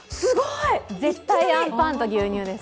絶対あんぱんと牛乳です。